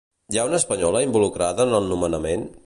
Hi ha una espanyola involucrada en el nomenament?